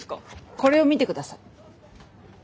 これを見て下さい。